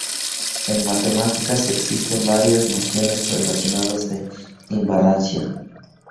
En matemáticas existen varias nociones relacionadas de invariancia.